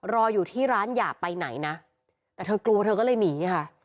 รออยู่ที่ร้านอย่าไปไหนนะแต่เธอกลัวเธอก็เลยหนีค่ะ